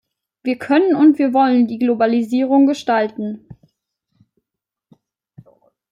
Wir können und wir wollen die Globalisierung gestalten.